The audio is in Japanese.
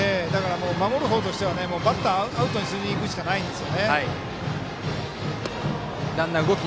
守る方としてはバッターをアウトにしにいくしかないんです。